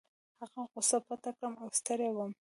هغه غوسه پټه کړم او ستړی وم.